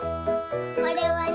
これはね